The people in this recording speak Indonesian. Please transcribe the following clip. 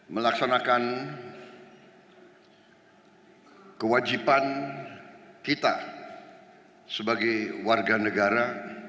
melaksanakan kewajiban kita sebagai warga negara